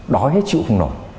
đói hết chịu phùng nổi